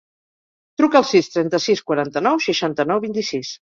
Truca al sis, trenta-sis, quaranta-nou, seixanta-nou, vint-i-sis.